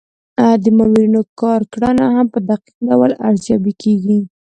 د مامورینو کارکړنه هم په دقیق ډول ارزیابي کیږي.